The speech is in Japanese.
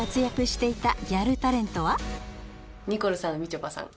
ニコルさんみちょぱさん